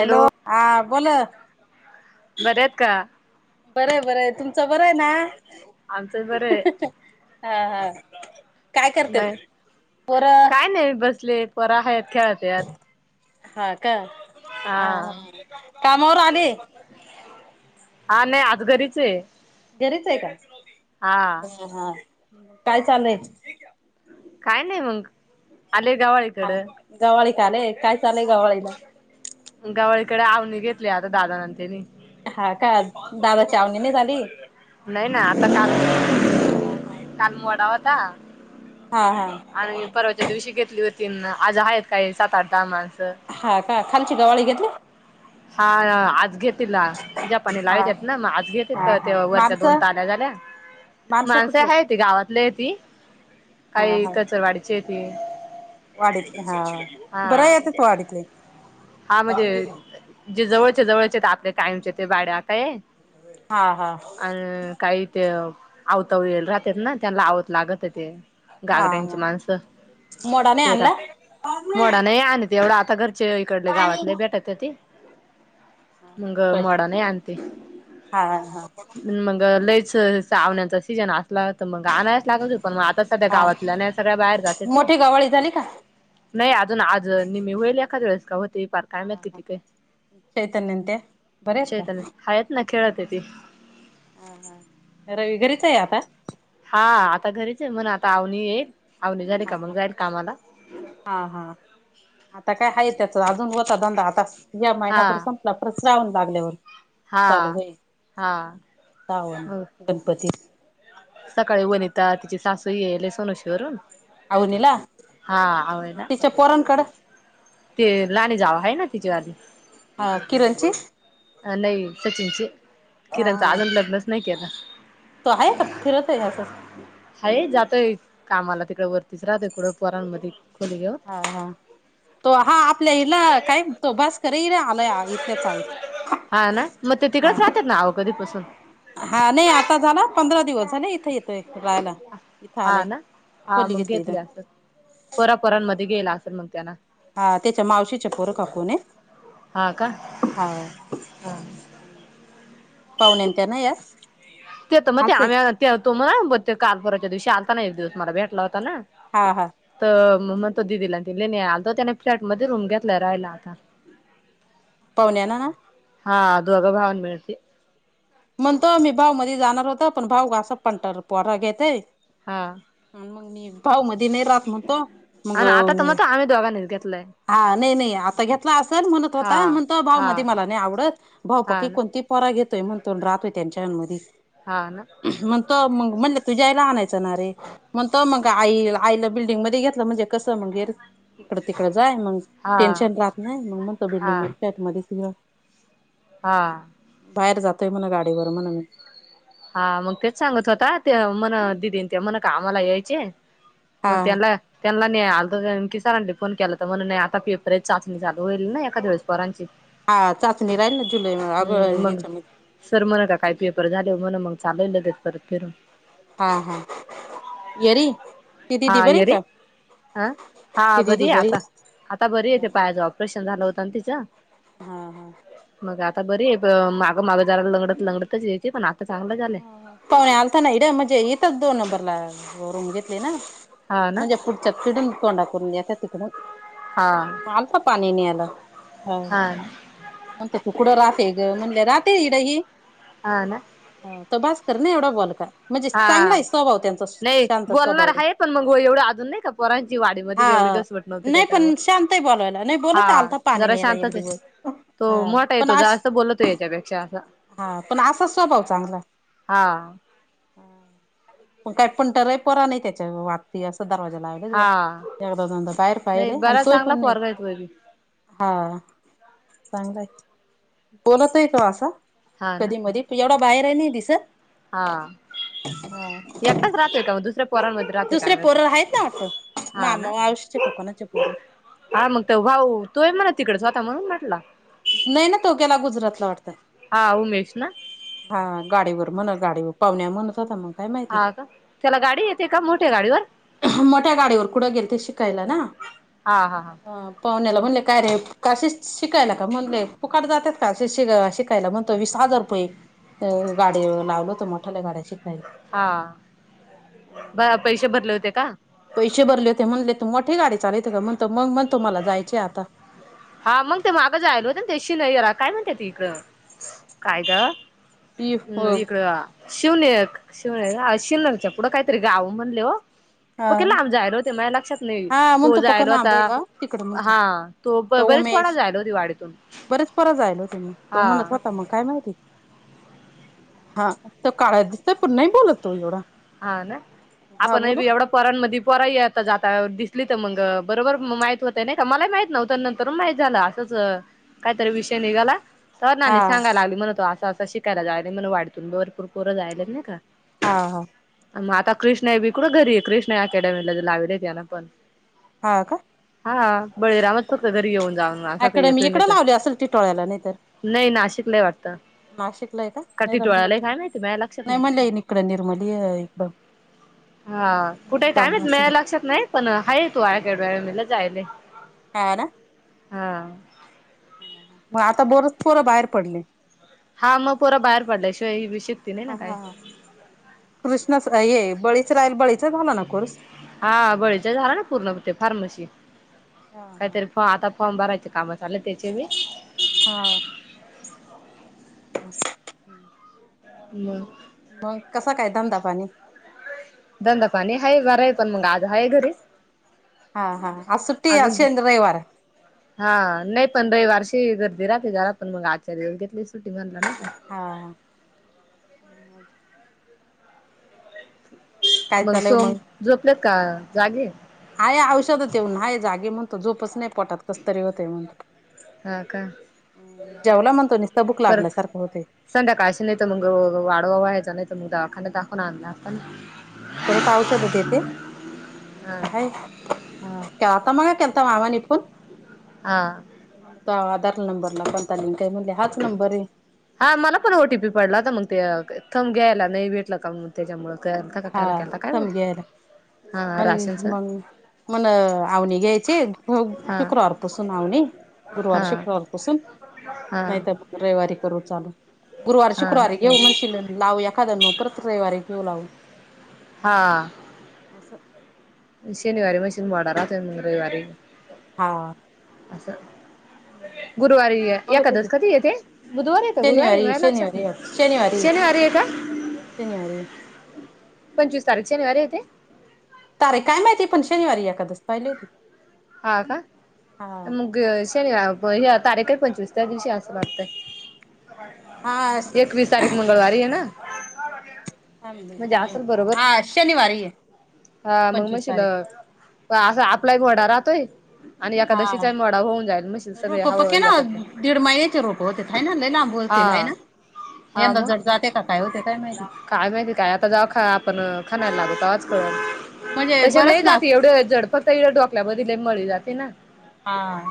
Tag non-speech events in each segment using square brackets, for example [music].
Hello, हा बोल. बरं आहेत का? बरं-बरं तुमचं बरं आहे ना, आमचं बरं आहे हा हा. काय करते म पोर काय नाही बसले पोरं हाईत खेळतात. हा का? कामावर आले. आ नाही आज घरीच आहे. घरीच आहे का? हा. ह हा काय चाललंय? काय नाही मग, आले गावाळी हा गवाळी काले काय चालय गव्हाळीला. गावळीकडे आवनी घेतली आता दादा न त्यांनी. हा का? दादा चावणी नाही झाली. नाही ना आता कान कान वडावता. हा हा. आणि परवाच्या दिवशी घेतली होती आज आहेत काही सात, आठ, दहा माणसं. हा का? खालची गवाळी घेतली? हा आज घेत तिला जपानी हा लावतेत ना मग आज घे हा ते हा वरच्या दोन माणसं ताल्या झाल्या. माणसं माणसे कुठले आहे त गावातले आहे ती काही कचरवाडीची ती. वाढत हा बरं येत तू वाढतले. हा म्हणजे जे जवळचे-जवळचे आपल्या कायमचे ते बाड्या काय. हा हा. अ काही ते आवताव ये राहतात ना त्यांना आवत लागत होते. हा घागऱ्यांची हा माणसं, मोडा नाही ते रा आणला? मोडा नाही आण तेवढा आता घरचे इकडले गावातले बेटत होती. मंग मोडा नाही आणते हा हा मग लईच आवण्याचा सीजन असला तर मग आणायच लागल हो पण मग आता सध्या हा गावातल्या नाही सगळ्या बाहेर जाते ते मोठी गवाळी झाली का? नाही अजून आज निहमी होईल एखाद वेळेस का होते पार काय हा माहित हा किती काय चैतन्यंत बरत का हा येत ना खेळत आहे ती हा हा विगरीच आहे आता हा आता घरीच आहे म्हण आता आवनी येईल आवनी झाली हा का मग हा जाईल कामाला हा हा आता काय आहे त्याचा अजून होता धंदा आता या हा महिन्याभर स प्रचरावून लागल्यावर हा चालू होई हा वण मग गणपती सकाळी वनिता तिची सासू येले सोनोशी वरून आवनीला हा आवडला तिच्या पोरणकड ते लाने झावा ह आहे ना तिच्या आली हा किरणची अ नाही सचिनचे हा किरणच हा आजून लग्नच नाही के ना तो आहे का फिरत आहे ह्यास हा जातय कामाला तिकडे वरतीच राहतय कडं पोरांमध्ये खोली घेऊ हा हा तो हा आपल्या हिला काय तो भास कर र आला इथल्या चाळीत हा ना मग ते हा तिकडेच राहतात ना अवं कधीपसून हा नाही आता झाला पंधरा दिवस झाले इथे येतोय रायला हा ना हा मग इथं घेतले असल हा पोरापोरांमध्ये गेला असेल मग त्याना हा त्याच्या मावशीच्या पोरं कापूनून ये हा का हा पाहुण्यांत ना यास ते तर मग ते हाच आहे आम्ही तो मला ते कालपराच्या दिवशी आलताना एक दिवस मला भेटला होता ना हा हा तर मग तो दिदीला तले आल तर त्याने फ्लॅट मध्ये रूम घेतला राहियला आता [unintelligible] पावण्या ना ना हा अधवग भावन मिेळस म्हणतोम मी भाऊ मध्ये जाणार होत पण भाऊ पण पोरा घेतय हा मग मी भाऊ मध्ये नाही राहत म्हणत मग आणि आता तर मग आम्ही दोघांनीच घेतलंय हा नाही नाही आता घेतला असेल म्हणत हा होता म्हण तो भाव हा मध्ये मला नाही आवडत हा भाऊपकी ना कोणती परा घेतोय म्हणतो राहतोय त्यांच्या मध हा ना मग तो मग म्हणले तुझ्या याईला आणायचं ना रे मग त मग आई आईला बिल्डिंग मध्ये घेतलं म्हणजे कसं मग इकडं तिकडं जाय मग हा टेन्शन राहत नाही मग म्हण त हा बिल्डिंग म फ्लॅट मच ग हा बाहेर जातोय म्हणा गाडीवर म्हण मही हा मग तेच सांगत होता ते म्हन दिदी म्हन का आम्हाला यायचे हा मत्याला त्यांना नाही आलत की सरांडे फोन केला तर म्हणून नाही आता पेपरची चाचणी चालू होईल ना एका दिवस पवरांची हा चाचणी राहील ना जुलै अग मग याच्यामध्ये सर मणा का काय पेपर झाले म्हण मग चालवलं ते परत फिरून हा हा येरी ती हा दिदी बरी ये रे का अ हा ती दिदी आहे बरी आता आता बरी येते पायाचं ऑपरेशन झालं होतं आणि तिचं हा हा मग आता बरी आहे मागं मागं जराला लंगडत लंगडतच यायेत पण आता चांगलं झालंय पाहुणे आलता ना इड म्हणजे इथंच दोन नंबरला रूम घेतली ना हा ना म्हणजे [inaudible] हा अलता पाणी न्यायला हं हा म्हणतो तू कुठ राहते ग म्हणले राहते इड हि ह ना आता बास कर ना एवढा बोल का हा नाही बोलणार आहे पण मग एवढं अजून नाही का पोरांची वाडी म एवढी हा दसवट नव्ह नाही त्याच्यामुळे पण शांत आहे बोलवायला नाही हा बोलत आलता पाणी जरा न्यायला एक शांतच आहे दिवस तो हा मोठा हाय पण तो आज जास्त बोलतो याच्यापेक्षा असं हा पण असाचं स्वभाव चांगला हा काय पण तरय परा नाही त्याच्या वातती असं दरवाजा ला हा एकदा धंदा बाहेर नाही पाहिले आणि बरा सोय चांगला पण नाही पोरगा आहे तो बी हा चांगलंय बोलत आहे का असा हा ना कधी मधी तू एवढा बाहेर हि नाही दिसत हा हा एकटाच राहतोय का मग दुसऱ्या पोरांमध्ये राहतो काय दुसरे पोरं आहेत ना वाटतं माहित हा ना मामा मावशीचे का कोणाचे पोर आहेत हा मग त भाऊ तोय म्हणा तिकडे स्वता म्हणून म्हटला नाही ना तो गेला गुजरातला वाटत हा उमेश ना हा गाडीवर म्हण गाडीवर पवन्या म्हणतं होता मग काय माहिती हा का त्याला गाडी येते का मोठ्या गाडीवर मोठ्या गाडीवर कुढं गेल ते शिकायला ना हा हा हा अ पाव्हण्याला म्हणले काय रे का शिकायला का म्हणले फुकट जातात का अशी शिका पहिला म्हणतो वीस हजार रुपये गाडी लावल तर मोठाल्या गाड्या शिकायला हा पैसे भरले होते का पैसे भरले होते म्हणले तू मोठी गाडी चालविते का म्हणत मग म्हणतो मला जायचे आता हा मग ते मागं जायल होत त्याशी नाहीरा काय म्हणते ती इकड काय ग ती हो हम् इकड शिवनेक शिवनेक शिवनेरच्या पुढं कायतरी गाव म्हणले हो हा प केला लांब जायलो ते माया लक्षात नाही हा तो म्हणतो पक्का जायलो लांब आता आहे गाव तिकडे म्हणतो हा तो बरेचपणा जायल होते वाडीतून बरेच परत जायल होते मग तो हा म्हणत होता मग काय माहिती हा तो काळ दिसत पण नाही बोलत तो एवढा हा ना हा आपण बोला बी एवढं पोरानंमध्ये पोराता जाता दिसली तर मग बरोबर माहित होत नाही का मलाही माहित नव्हत नंतर माहित झालं च कायतरी विषय निघाला हो ना हा नाही सांगाला लागली म्हण तो असं असं शिकायला जायलाणग वाडीतून भरपूर पोरं जायला नाही का हा हा मग आता कृष्णा हे बीकडं घरी कृष्णा अकॅडमीला लावलेते ना पण हा का हा बळीरामच फक्त घरी येऊन जाऊन असं काही अकॅडमी येतोय नाही इकडं तर लावली असंल ती टिटोळ्याला नाही तर नाही नाशिकला वाटतं नाशिकला आहे का नाही तर टिटोळालाय म्हणलं काय माहिती माझ्या लक्षात नाही म्हणलं येन इकडं निर्मली इकड हा कुठे कायमहितं असेल माया लक्षात नाही पण हा तू अकॅडमी जायला हा ना हा मग आता बरंच पोरं बाहेर पडले हा मग पोरं बाहेर पडल्याशिवाय हि बि शिकती नाही ना काय कृष्ण हे बळीच राहील बळीचा झाला ना कोर्स हा बळीचा झाला ना पूर्णप ते फार्मसी. हा हा काहीतरी फॉ आता फॉर्म भरायं कामा झाले त्याचे मी. हा. [unintelligible] मग. मग कसा काय धंदा पाणी. दंदा पाणी आहेा बर आहे पण मग आज हा आहे घरीच. हा हा आ सु्ट अ अजून शेंद रविवार. हा नाही पण रविवारशी गर्दी राहते जरा पण मग आजच्या दिवस घेतली सुटी म्हनला नाही का. हां. मग सोम जोपलेत का जागे. आहेय औषधच येऊन ह जागे म्हणतो झोपच नाही पोटात कस तरी होतय म्हणतो. हा का [inaudible] हम् जेवला म्हणतो नसतबुक लागल्यासारखं होते. संधाकाळशी नाही तर मग वाड ववा यायचा छनाही मग दवाखाना दाखवून आणला आपण. परत औषधेते. म हा ह आता मग केतावा नि फून. आ. मला तो आधार नंबरला पणता काय म्हणले हाच नंबर आहे. हा मला पण ओ टी पी पडला होता मग ते थंब घ्यायला नाही भेटलं का म्ह त्याच्यामुळे करता काकायला हा केता काय थंब घ्यायला बत हा राशनचा. मण आवनी घ्यायची हा शुक्रवारपसून आवनी. हा गुरुवार-शुक्रवार कुसून. हा. रविवारी करू चालू गुरुवारी हा शुक्रवारी घेऊ म्हणजे. लावू एखाद्या मग प्रत्रवारीे घेऊ लावू. हा. [inaudible] शनिवारी मशीन वाडरा त रवारी. हा. असचछा. गुरुवारी बोलत होते एखद्याच कधी येते बुधवारी येत गुरुवारी शनिवारी म लक्षात शनिवारी नाही. शनिवारी आहे काय? शनीवारी. पंचवीस तारिख शनिवारी येते? तारे काय माहिती पण शनिवारी या कदच पाहिली होती. हा काय, हा हम्म. शे नाही तारीख आहे पंचवीस त्या दिवशी असं वागतय. [unintelligible] हा. एकवीस तारीख मंगळवारी आहे ना. म्हणजे असेल बरोबर हा शनिवारी आहे [inaudible] हा मग म पंचवीस शि तारीख लग. असं आपला एक घोडा राहतोय? आणि हा एकादशीचाही मोडा होऊन जाईल म्हणशील सगळे रोप हवं पके ना एकत्र दडेड महिनेच रोप होते. ह ना ल लांब हा बोलतील ह ना हा यंदा मग जट जाते का काय होते काय माहिती. काय माहिती काय आता जव खा आपण खानायला लागत तेव्हाच प म्हणजे तसे बरंच नाही ना जाते एवढे झड फक्त एवढ्या डोकल्या बले मळी जाते ना. हा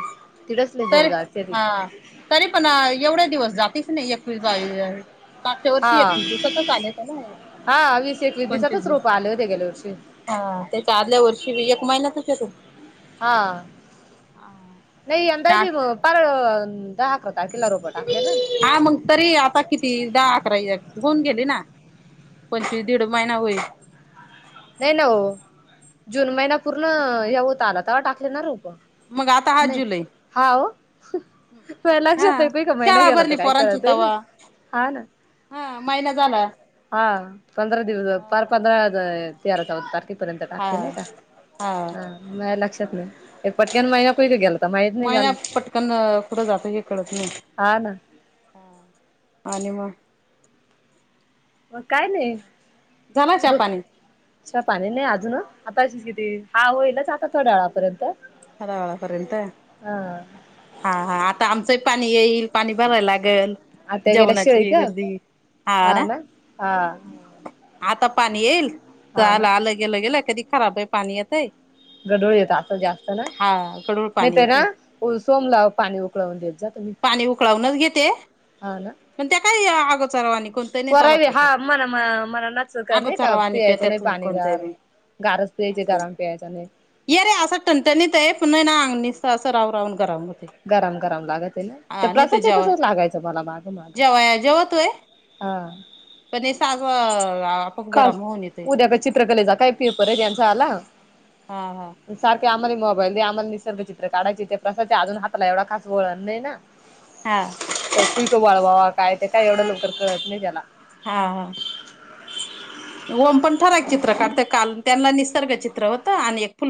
तिथंच लय तर जड जाते ती हा. तरी पण एवढे दिवस जातेच नाही एकवीस-बावीस. मागच्या हा वर्षी एकवीस दिवसातच आलेत ना हे हा वीस एकवीस पंचवीस दिवसातच दिवस. रोप आले होते गेल्या वर्षी हा त्याच्या आदल्या वर्षी बी एक महिनातचेत. हा. आ. नई यंदा मी पार, दहा आकरा तारखेला रोपं टाकले ना. हा मग तरी आता किती दहा, अकरा [unintelligible] होऊन गेले ना. पंचवीस दीड महिना होईल. नाही ना ओ. जून महिना पूर्ण हे होत आला, तवा टाकले ना रोपं. मग आता हा जुलै. हा ओ. हा महिना शाळा गेला तर भरली काही पोरांची कळतही नाही तवा. हा ना हा महिना झाला. हा पधरा दिवस हा पार पंधरा- तेरा चौदा तारखे पर्यंत टाकले नई का? हा हा माझ्या लक्षात नई. एक पटक्यान महिना [unintelligible] गेला तर माहीत नाही महिना झालं पटकन कुठं जात हे कळत नई. हा ना हा आणि मग मग काय नई. झाला का चा पानी? चा पाणी नाही अजून ओ. आता अशीच किती, हा होईलच आता थोड्या वेळापर्यंत थोड्यावेळापर्यंत? हा हा हा आता आमचंही पाणी येईल, पाणी भरायला लागल. आता गेल्या जेवणाची शिळीत गर्दी, हा ना. आता पाणी येईल. हा ना झालं आलं गेलं गेलं कधी खराब ही पाणी येतय. गढूळ येत असं जास्त. ना. हा कडूळ नाही पाणी तर येतय ना सोमला पाणी उकळवून देत जा तुम्ही. पाणी उकळावूनच घेते हा ना. पण त्या काय, अगोचरवाणी कोण परावी हा म्हणा म मणा नाच नाही का, अगोचरवाणी पियायचं नाही पेतात कोणत्या पाणीगार. बी गारच प्यायचे, असं गरम पियाच नई. ये रे असं टणटनीतय. पुन्हा ना अंग निस्त असं राह राहून गरम होतय. गरम गरम लागत आहे ना? ते हा नाही तर प्रसादच्या जेवाय तसच लागायचं मला माग माग. जेवाय जेवतोय हा. पण हे सागं काल. उद्या का चित्रकलेचा काय पेपर आहे त्याचा आला. हा हा. सारखे आम्हाला मोबाईल दे, आम्हाला निसर्ग चित्र काढाचय. ते प्रसाच्या अजून हाताला एवढं खास वळण नाही ना. [inaudible] हा. तर कुय्को बाळवावा काय ते काय एवढं लवकर कळत नाही त्याला. हा हा. ओम पण ठराक चित्र काढत. काल, त्यांना निसर्ग चित्र होतं आणि एक फुल